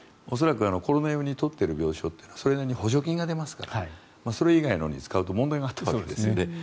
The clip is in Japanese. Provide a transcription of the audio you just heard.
恐らくコロナ用に取っている病床ってそれなりに補助金が出ますからそれ以外のに使うと問題があるわけですよね。